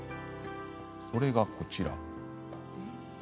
それがこちら。